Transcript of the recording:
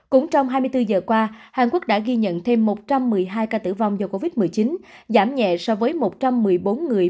cũng trong hai mươi bốn giờ qua hàn quốc đã ghi nhận thêm một trăm một mươi hai ca tử vong do covid một mươi chín giảm nhẹ so với một trăm một mươi bốn người